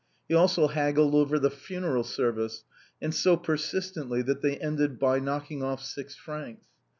He also haggled over the funeral service, and so persistently that they ended by knocking off six francs.